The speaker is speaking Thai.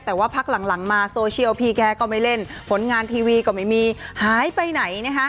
แต่ว่าพักหลังมาโซเชียลพี่แกก็ไม่เล่นผลงานทีวีก็ไม่มีหายไปไหน